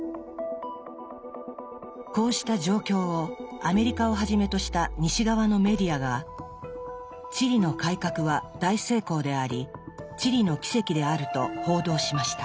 こうした状況をアメリカをはじめとした西側のメディアがチリの改革は大成功であり「チリの奇跡」であると報道しました。